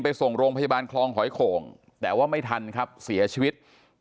ไปส่งโรงพยาบาลคลองหอยโข่งแต่ว่าไม่ทันครับเสียชีวิต